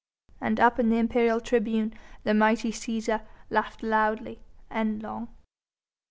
And up in the imperial tribune the mighty Cæsar laughed loudly and long.